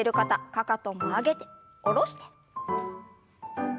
かかとも上げて下ろして。